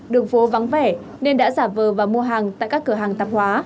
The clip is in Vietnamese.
đường phố vắng vẻ nên đã giả vờ và mua hàng tại các cửa hàng tạp hóa